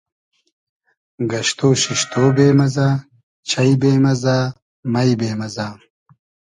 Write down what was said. گئشتۉ شیشتۉ بې مئزۂ, چݷ بې مئزۂ, مݷ بې مئزۂ